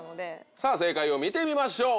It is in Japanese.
さぁ正解を見てみましょう。